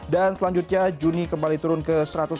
dan selanjutnya juni kembali turun ke satu ratus dua puluh dua empat